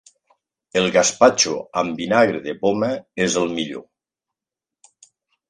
El gaspatxo amb vinagre de poma és el millor.